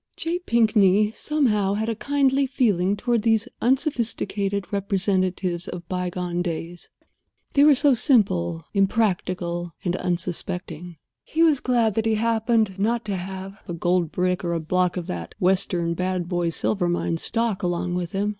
J. Pinkney, somehow, had a kindly feeling toward these unsophisticated representatives of by gone days. They were so simple, impractical, and unsuspecting. He was glad that he happened not to have a gold brick or a block of that western Bad Boy Silver Mine stock along with him.